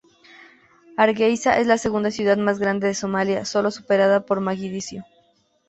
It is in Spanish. Hargeisa es la segunda ciudad más grande de Somalia, sólo superada por Mogadiscio.